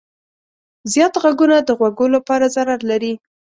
زیات غږونه د غوږو لپاره ضرر لري.